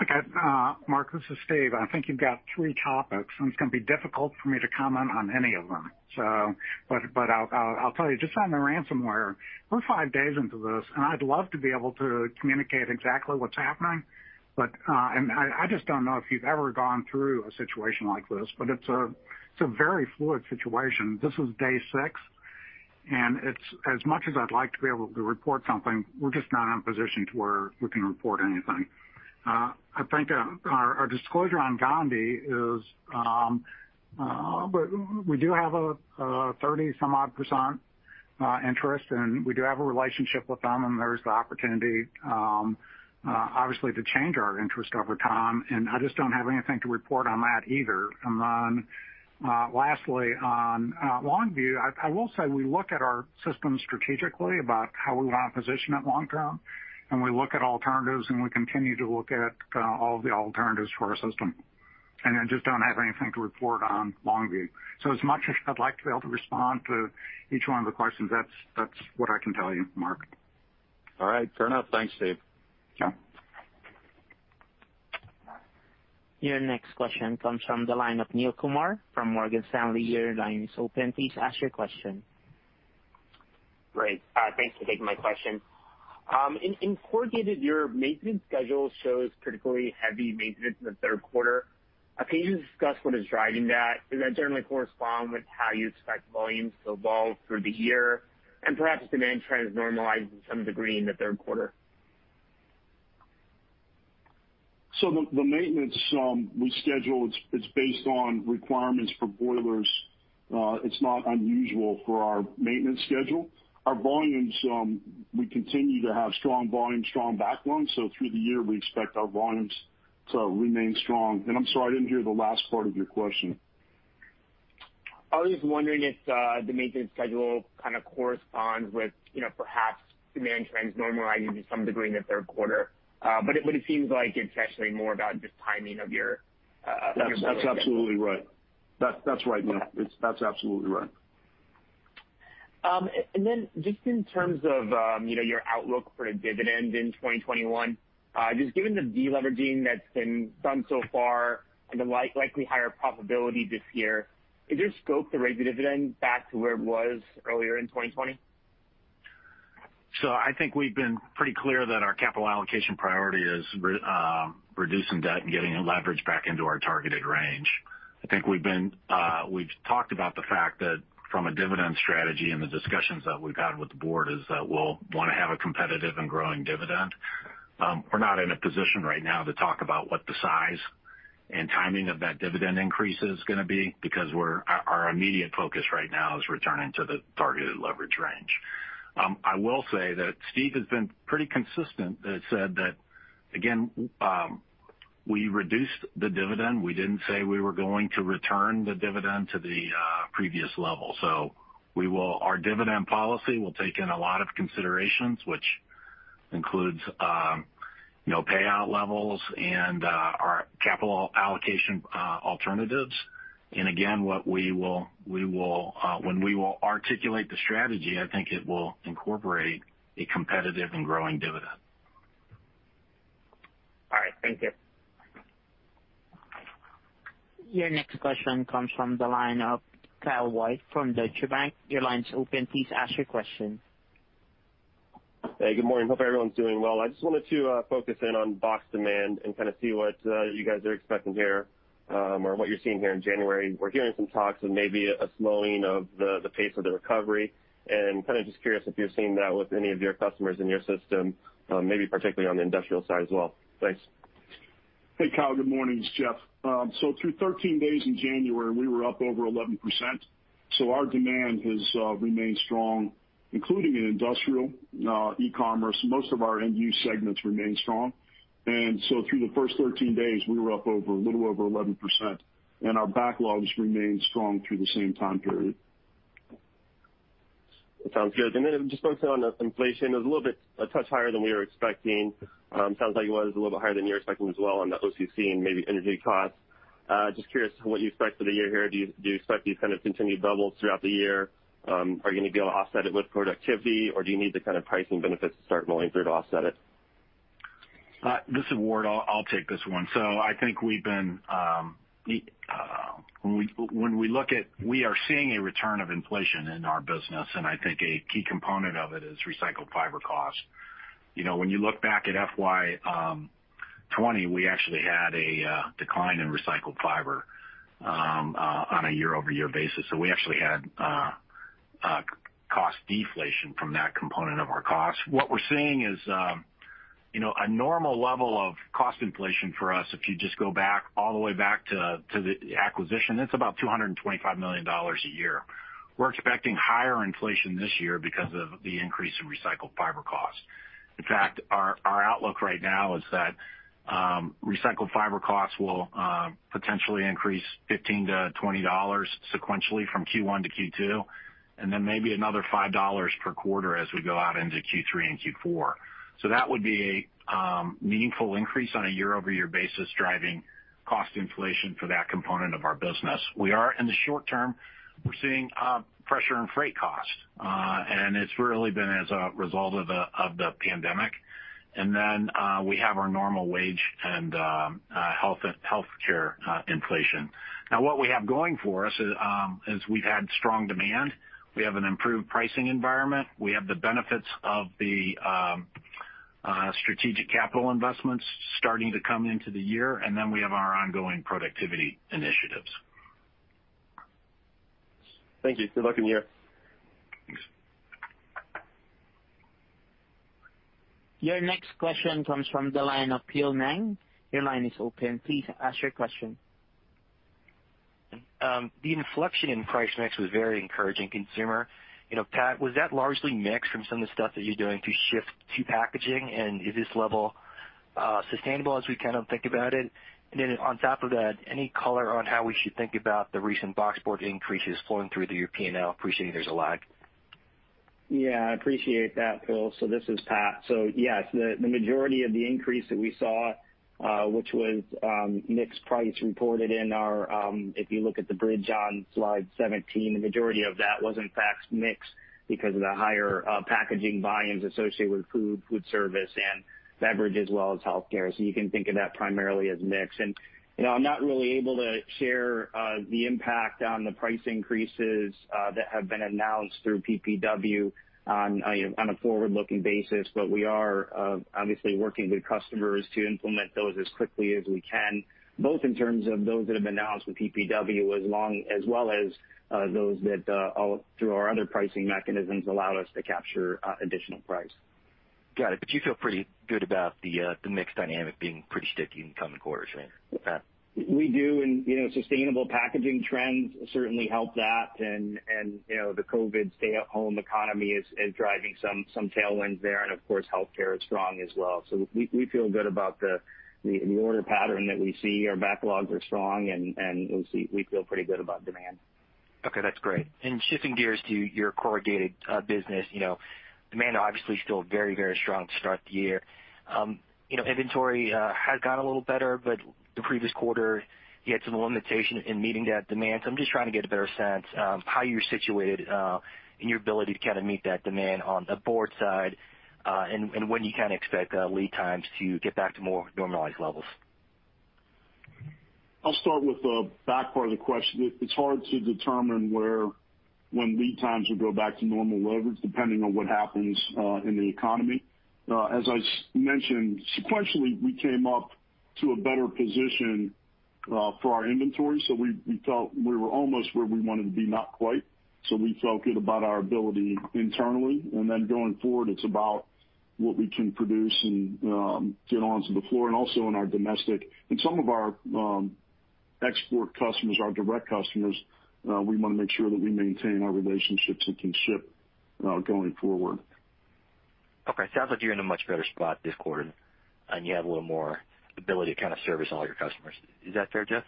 Okay. Mark, this is Steve. I think you've got three topics, and it's going to be difficult for me to comment on any of them. I'll tell you, just on the ransomware, we're five days into this, and I'd love to be able to communicate exactly what's happening, and I just don't know if you've ever gone through a situation like this, but it's a very fluid situation. This is day six, and as much as I'd like to be able to report something, we're just not in a position to where we can report anything. I think our disclosure on Gondi. We do have a 30-some-odd% interest, and we do have a relationship with them, and there's the opportunity, obviously, to change our interest over time, and I just don't have anything to report on that either. Lastly, on Longview, I will say we look at our systems strategically about how we want to position it long term, and we look at alternatives, and we continue to look at all the alternatives for our system. I just don't have anything to report on Longview. As much as I'd like to be able to respond to each one of the questions, that's what I can tell you, Mark. All right, fair enough. Thanks, Steve. Sure. Your next question comes from the line of Neel Kumar from Morgan Stanley. Your line is open. Please ask your question. Great. Thanks for taking my question. In Corrugated, your maintenance schedule shows critically heavy maintenance in the third quarter. Can you just discuss what is driving that? Does that generally correspond with how you expect volumes to evolve through the year, and perhaps demand trends normalizing to some degree in the third quarter? The maintenance we schedule, it's based on requirements for boilers. It's not unusual for our maintenance schedule. Our volumes, we continue to have strong volume, strong backlogs, through the year, we expect our volumes to remain strong. I'm sorry, I didn't hear the last part of your question. I was just wondering if the maintenance schedule kind of corresponds with perhaps demand trends normalizing to some degree in the third quarter. It seems like it's actually more about just timing of your. That's absolutely right. That's right, Neel. That's absolutely right. Just in terms of your outlook for a dividend in 2021, just given the de-leveraging that's been done so far and the likely higher profitability this year, is there scope to raise the dividend back to where it was earlier in 2020? I think we've been pretty clear that our capital allocation priority is reducing debt and getting the leverage back into our targeted range. I think we've talked about the fact that from a dividend strategy and the discussions that we've had with the board is that we'll want to have a competitive and growing dividend. We're not in a position right now to talk about what the size and timing of that dividend increase is going to be, because our immediate focus right now is returning to the targeted leverage range. I will say that Steve has been pretty consistent that it said that, again, we reduced the dividend. We didn't say we were going to return the dividend to the previous level. Our dividend policy will take in a lot of considerations, which includes payout levels and our capital allocation alternatives. Again, when we will articulate the strategy, I think it will incorporate a competitive and growing dividend. All right. Thank you. Your next question comes from the line of Kyle White from Deutsche Bank. Your line is open. Please ask your question. Hey, good morning. Hope everyone's doing well. I just wanted to focus in on box demand and kind of see what you guys are expecting here, or what you're seeing here in January. We're hearing some talks of maybe a slowing of the pace of the recovery, and kind of just curious if you're seeing that with any of your customers in your system, maybe particularly on the industrial side as well. Thanks. Hey, Kyle. Good morning. It's Jeff. Through 13 days in January, we were up over 11%. Our demand has remained strong, including in industrial, e-commerce. Most of our end-use segments remain strong. Through the first 13 days, we were up a little over 11%, and our backlogs remained strong through the same time period. That sounds good. Just focusing on inflation, it was a little bit a touch higher than we were expecting. Sounds like it was a little bit higher than you were expecting as well on the OCC and maybe energy costs. Just curious what you expect for the year here. Do you expect these kind of continued bubbles throughout the year? Are you going to be able to offset it with productivity, or do you need the kind of pricing benefits to start rolling through to offset it? This is Ward. I'll take this one. I think we are seeing a return of inflation in our business, and I think a key component of it is recycled fiber cost. When you look back at FY 2020, we actually had a decline in recycled fiber on a year-over-year basis. We actually had cost deflation from that component of our cost. What we're seeing is a normal level of cost inflation for us. If you just go all the way back to the acquisition, it's about $225 million a year. We're expecting higher inflation this year because of the increase in recycled fiber cost. In fact, our outlook right now is that recycled fiber costs will potentially increase $15-$20 sequentially from Q1 to Q2, maybe another $5 per quarter as we go out into Q3 and Q4. That would be a meaningful increase on a year-over-year basis, driving cost inflation for that component of our business. In the short term, we're seeing pressure in freight costs, it's really been as a result of the pandemic. We have our normal wage and healthcare inflation. What we have going for us is we've had strong demand. We have an improved pricing environment. We have the benefits of the strategic capital investments starting to come into the year, we have our ongoing productivity initiatives. Thank you. Good luck in the year. Thanks. Your next question comes from the line of Phil Ng. Your line is open. Please ask your question. The inflection in price mix was very encouraging, Pat. Was that largely mixed from some of the stuff that you're doing to shift to packaging? Is this level sustainable as we kind of think about it? Then on top of that, any color on how we should think about the recent boxboard increases flowing through to your P&L? Appreciate there's a lag. Yeah, I appreciate that, Phil. This is Pat. Yes, the majority of the increase that we saw, which was mixed price reported in our-- If you look at the bridge on slide 17, the majority of that was in fact mixed because of the higher packaging buy-ins associated with food service and beverage as well as healthcare. You can think of that primarily as mixed. I'm not really able to share the impact on the price increases that have been announced through PPW on a forward-looking basis. We are obviously working with customers to implement those as quickly as we can, both in terms of those that have been announced with PPW, as well as those that through our other pricing mechanisms allow us to capture additional price. Got it. You feel pretty good about the mix dynamic being pretty sticky in coming quarters, right? We do, and sustainable packaging trends certainly help that, and the COVID stay-at-home economy is driving some tailwinds there. Of course, healthcare is strong as well. We feel good about the order pattern that we see. Our backlogs are strong, and we feel pretty good about demand. Okay, that's great. Shifting gears to your corrugated business. Demand obviously still very strong to start the year. Inventory has got a little better, but the previous quarter, you had some limitation in meeting that demand. I'm just trying to get a better sense of how you're situated in your ability to kind of meet that demand on the board side, and when you kind of expect lead times to get back to more normalized levels. I'll start with the back part of the question. It's hard to determine when lead times will go back to normal levels, depending on what happens in the economy. As I mentioned, sequentially, we came up to a better position for our inventory. We felt we were almost where we wanted to be, not quite. We felt good about our ability internally. Going forward, it's about what we can produce and get onto the floor, and also in our domestic. Some of our export customers, our direct customers, we want to make sure that we maintain our relationships and can ship going forward. Okay. Sounds like you're in a much better spot this quarter, and you have a little more ability to kind of service all your customers. Is that fair, Jeff?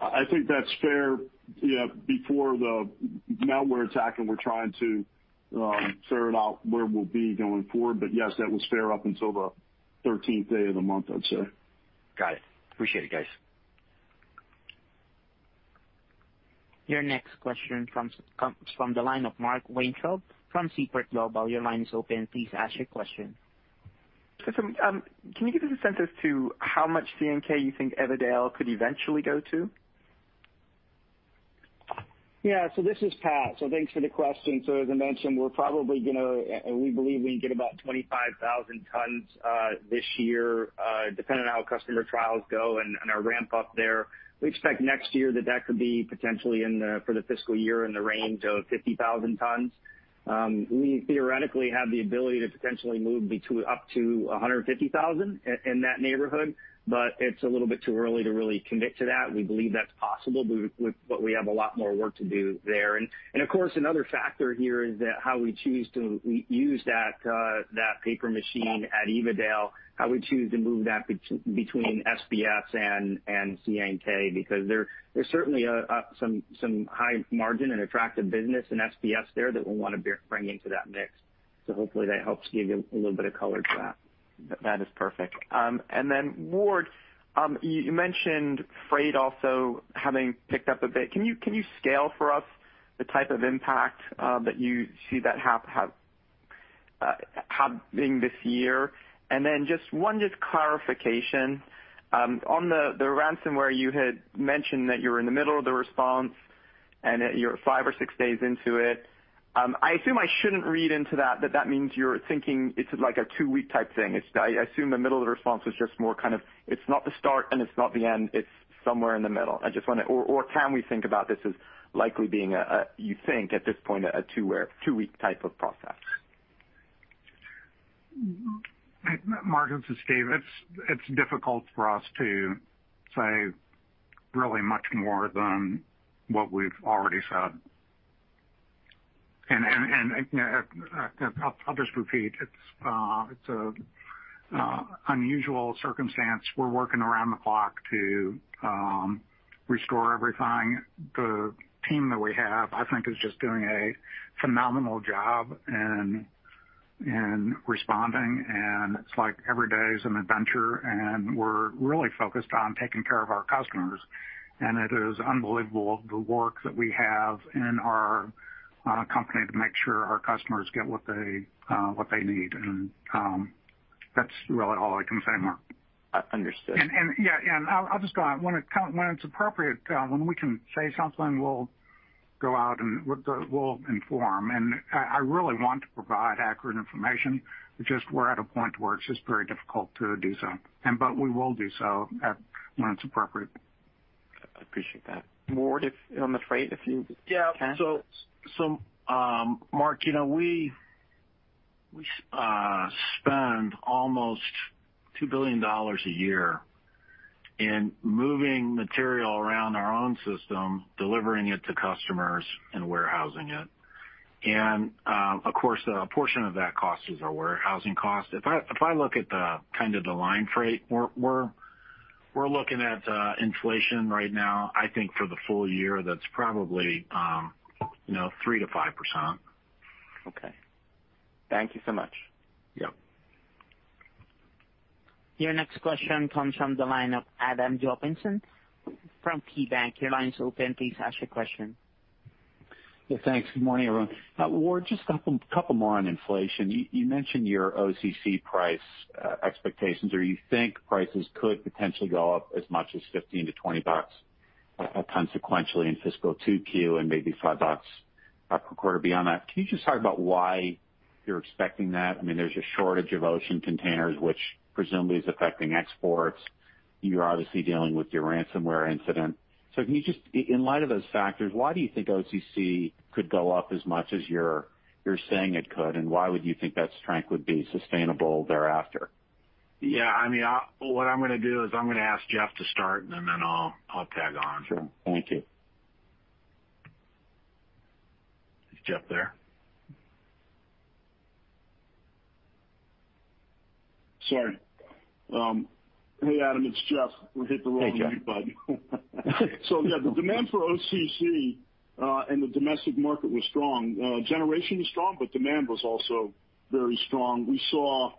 I think that's fair. Yeah, before the malware attack, and we're trying to figure out where we'll be going forward. Yes, that was fair up until the 13th day of the month, I'd say. Got it. Appreciate it, guys. Your next question comes from the line of Mark Weintraub from Seaport Global. Can you give us a sense as to how much CNK you think Evadale could eventually go to? Yeah. This is Pat. Thanks for the question. As I mentioned, we believe we can get about 25,000 tons this year, depending on how customer trials go and our ramp up there. We expect next year that could be potentially for the fiscal year in the range of 50,000 tons. We theoretically have the ability to potentially move up to 150,000, in that neighborhood, but it's a little bit too early to really commit to that. We believe that's possible, but we have a lot more work to do there. Of course, another factor here is that how we choose to use that paper machine at Evadale, how we choose to move that between SBS and CNK, because there's certainly some high margin and attractive business in SBS there that we'll want to bring into that mix. Hopefully that helps give you a little bit of color to that. That is perfect. Ward, you mentioned freight also having picked up a bit. Can you scale for us the type of impact that you see that having this year? Just one clarification. On the ransomware, you had mentioned that you were in the middle of the response and that you're five or six days into it. I assume I shouldn't read into that means you're thinking it's like a two-week type thing. I assume the middle of the response was just more kind of, it's not the start and it's not the end. It's somewhere in the middle. Can we think about this as likely being a, you think at this point, a two-week type of process? Mark, this is Steve. It's difficult for us to say really much more than what we've already said. I'll just repeat, it's an unusual circumstance. We're working around the clock to restore everything. The team that we have, I think, is just doing a phenomenal job in responding, and it's like every day is an adventure, and we're really focused on taking care of our customers. It is unbelievable the work that we have in our company to make sure our customers get what they need. That's really all I can say, Mark. Understood. Yeah. I'll just go on. When it's appropriate, when we can say something, we'll go out, and we'll inform. I really want to provide accurate information, just we're at a point where it's just very difficult to do so. We will do so when it's appropriate. I appreciate that. Ward, on the freight, if you can. Mark, we spend almost $2 billion a year in moving material around our own system, delivering it to customers, and warehousing it. Of course, a portion of that cost is our warehousing cost. If I look at the kind of the line freight, we're looking at inflation right now, I think for the full year, that's probably 3%-5%. Okay. Thank you so much. Yeah. Your next question comes from the line of Adam Josephson from KeyBanc. Yeah, thanks. Good morning, everyone. Ward, just a couple more on inflation. You mentioned your OCC price expectations, or you think prices could potentially go up as much as $15-$20 consequentially in fiscal 2Q and maybe $5 per quarter beyond that. Can you just talk about why you're expecting that? There's a shortage of ocean containers, which presumably is affecting exports. You're obviously dealing with your ransomware incident. In light of those factors, why do you think OCC could go up as much as you're saying it could, and why would you think that strength would be sustainable thereafter? Yeah. What I'm going to do is I'm going to ask Jeff to start, and then I'll tag on. Sure. Thank you. Is Jeff there? Sorry. Hey, Adam, it's Jeff. We hit the wrong- Hey, Jeff. mute button. Yeah, the demand for OCC in the domestic market was strong. Generation was strong, but demand was also very strong. We saw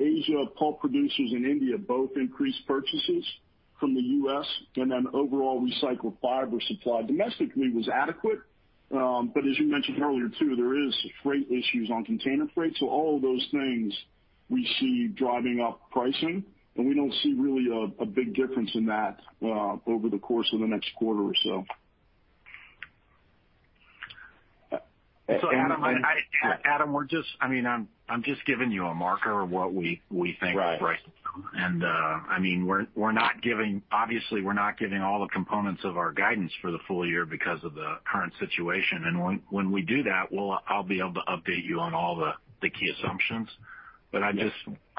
Asia pulp producers in India both increase purchases from the U.S. and then overall recycled fiber supply domestically was adequate. As you mentioned earlier too, there is freight issues on container freight. All of those things we see driving up pricing, and we don't see really a big difference in that over the course of the next quarter or so. Adam, I'm just giving you a marker of what we think the price is. Right Obviously we're not giving all the components of our guidance for the full year because of the current situation. When we do that, I'll be able to update you on all the key assumptions. I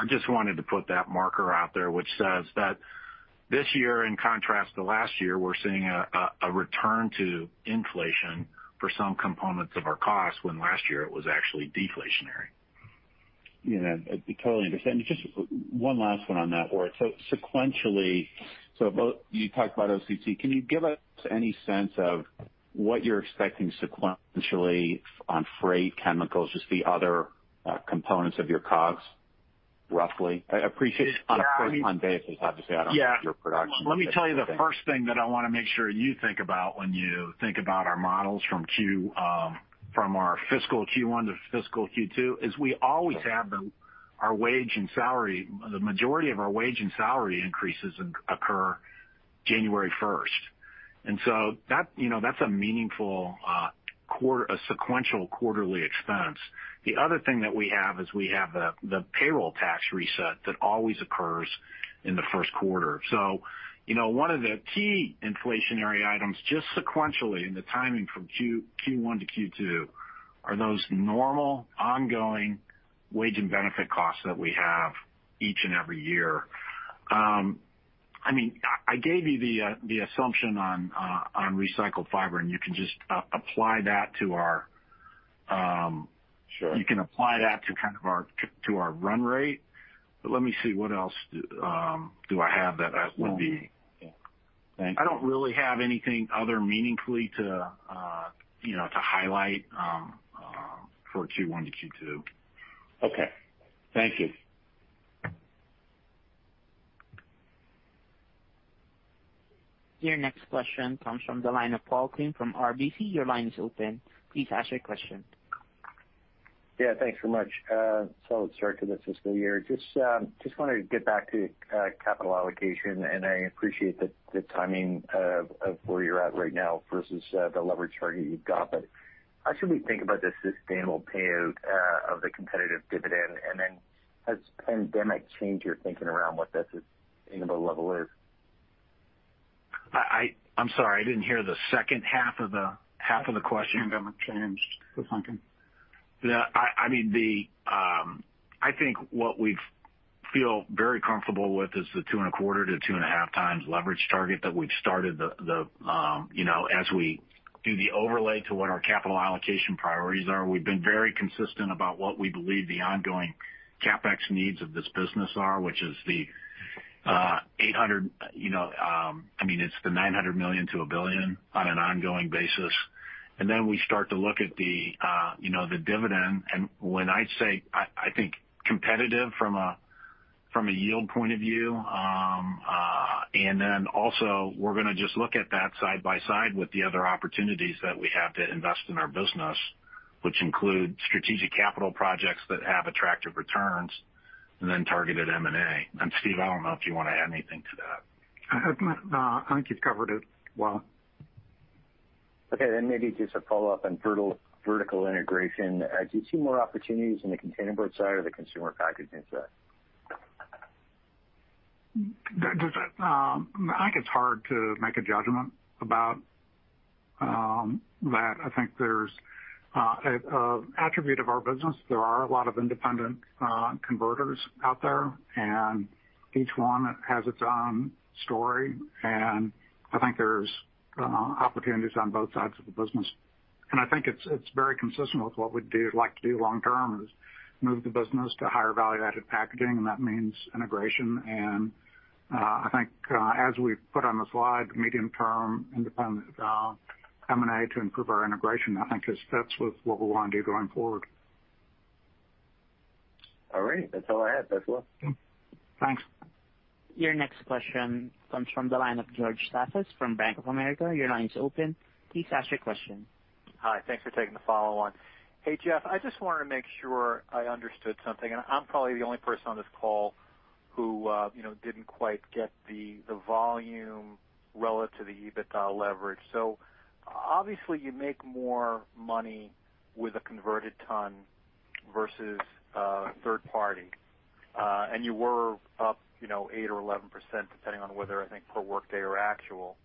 just wanted to put that marker out there which says that this year, in contrast to last year, we're seeing a return to inflation for some components of our cost, when last year it was actually deflationary. Yeah. I totally understand. Just one last one on that, Ward. Sequentially, so you talked about OCC. Can you give us any sense of what you're expecting sequentially on freight, chemicals, just the other components of your COGS, roughly on a pro forma basis? Yeah. Obviously, I don't have your production. Yeah. Let me tell you the first thing that I want to make sure you think about when you think about our models from our fiscal Q1 to fiscal Q2, is we always have the majority of our wage and salary increases occur January 1st. That's a meaningful sequential quarterly expense. The other thing that we have is we have the payroll tax reset that always occurs in the first quarter. One of the key inflationary items, just sequentially in the timing from Q1 to Q2, are those normal, ongoing wage and benefit costs that we have each and every year. I gave you the assumption on recycled fiber, and you can just apply that to our run rate. Sure. Let me see what else do I have. Yeah. Thanks. I don't really have anything other meaningfully to highlight for Q1 to Q2. Okay. Thank you. Your next question comes from the line of Paul Quinn from RBC. Your line is open. Please ask your question. Yeah, thanks so much. Let's start with the fiscal year. I just wanted to get back to capital allocation, and I appreciate the timing of where you're at right now versus the leverage target you've got. How should we think about the sustainable payout of the competitive dividend? Has pandemic changed your thinking around what that sustainable level is? I'm sorry, I didn't hear the second half of the question. Haven't changed your thinking. I think what we feel very comfortable with is the 2.25x to 2.5x leverage target that we've started. As we do the overlay to what our capital allocation priorities are, we've been very consistent about what we believe the ongoing CapEx needs of this business are, which is the $900 million-$1 billion on an ongoing basis. Then we start to look at the dividend. When I say, I think competitive from a yield point of view, then also we're going to just look at that side by side with the other opportunities that we have to invest in our business, which include strategic capital projects that have attractive returns and then targeted M&A. Steve, I don't know if you want to add anything to that. No, I think you've covered it well. Okay, maybe just a follow-up on vertical integration. Do you see more opportunities in the containerboard side or the consumer packaging side? I think it's hard to make a judgment about that. I think there's an attribute of our business. There are a lot of independent converters out there, and each one has its own story. I think there's opportunities on both sides of the business. I think it's very consistent with what we'd like to do long term, is move the business to higher value-added packaging, and that means integration. I think as we put on the slide, medium term, independent M&A to improve our integration, I think fits with what we want to do going forward. All right. That's all I had. Thanks a lot. Yeah. Thanks. Your next question comes from the line of George Staphos from Bank of America. Hi. Thanks for taking the follow-on. Hey, Jeff, I just want to make sure I understood something. I'm probably the only person on this call who didn't quite get the volume relative to the EBITDA leverage. Obviously you make more money with a converted ton versus third party. You were up eight or 11%, depending on whether, I think, per workday or actual.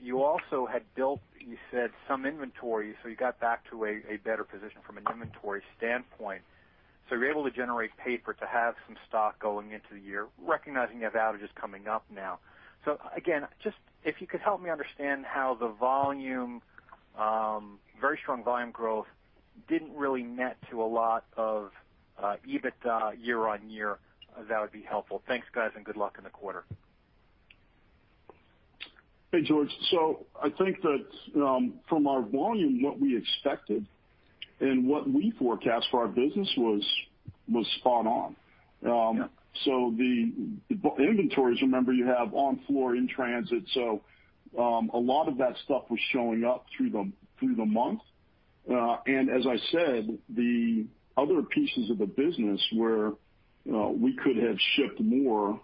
You also had built, you said, some inventory, so you got back to a better position from an inventory standpoint. You're able to generate paper to have some stock going into the year, recognizing you have outages coming up now. Again, just if you could help me understand how the very strong volume growth didn't really net to a lot of EBITDA year-on-year, that would be helpful. Thanks, guys, and good luck in the quarter. Hey, George. I think that from our volume, what we expected and what we forecast for our business was spot on. Yeah. The inventories, remember, you have on floor, in transit. A lot of that stuff was showing up through the month. As I said, the other pieces of the business where we could have shipped more,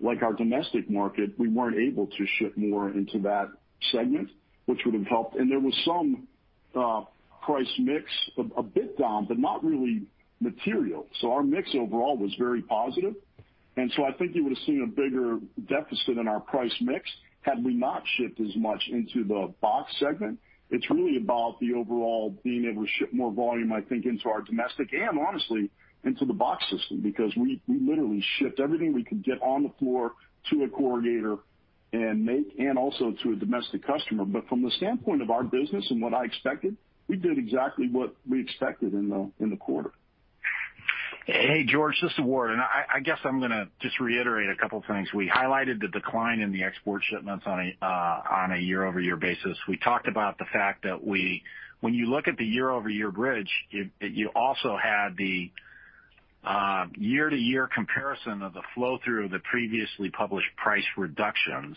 like our domestic market, we weren't able to ship more into that segment, which would have helped. There was some price mix, a bit down, but not really material. Our mix overall was very positive. I think you would have seen a bigger deficit in our price mix had we not shipped as much into the box segment. It's really about the overall being able to ship more volume, I think, into our domestic and honestly, into the box system, because we literally shipped everything we could get on the floor to a corrugator and make, and also to a domestic customer. From the standpoint of our business and what I expected, we did exactly what we expected in the quarter. Hey, George, this is Ward. I guess I'm going to just reiterate a couple things. We highlighted the decline in the export shipments on a year-over-year basis. We talked about the fact that when you look at the year-over-year bridge, you also had the year-to-year comparison of the flow-through of the previously published price reductions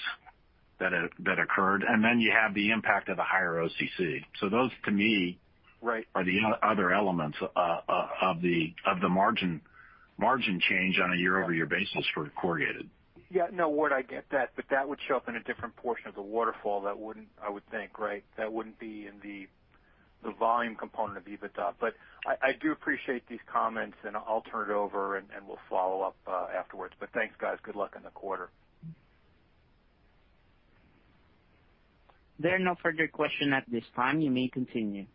that occurred. Then you have the impact of the higher OCC. Those, to me are the other elements of the margin change on a year-over-year basis for corrugated. Yeah. No, Ward, I get that. That would show up in a different portion of the waterfall, I would think, right? That wouldn't be in the volume component of EBITDA. But I do appreciate these comments, and I'll turn it over, and we'll follow up afterwards. Thanks, guys. Good luck in the quarter. There are no further questions at this time. You may continue.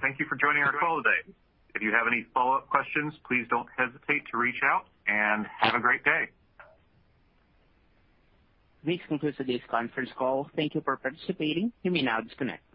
Thank you for joining our call today. If you have any follow-up questions, please don't hesitate to reach out and have a great day. This concludes today's conference call. Thank you for participating. You may now disconnect.